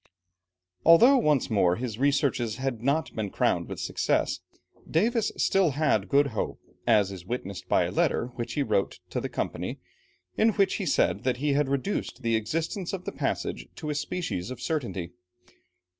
Although once more his researches had not been crowned with success, Davis still had good hope, as is witnessed by a letter, which he wrote to the Company, in which he said that he had reduced the existence of the passage to a species of certainty.